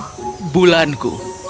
dan semua bintang